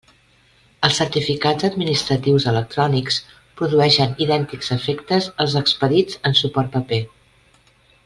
Els certificats administratius electrònics produeixen idèntics efectes als expedits en suport paper.